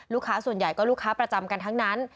ส่วนใหญ่ก็ลูกค้าประจำกันทั้งนั้น